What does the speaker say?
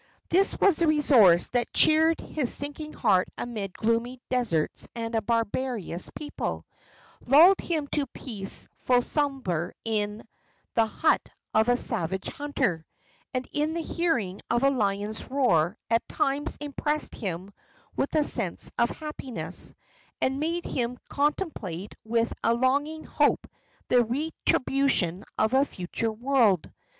This was the resource that cheered his sinking heart amidst gloomy deserts and a barbarous people, lulled him to peaceful slumber in the hut of a savage hunter, and in the hearing of the lion's roar, at times impressed him with a sense of happiness, and made him contemplate with a longing hope the retribution of a future world.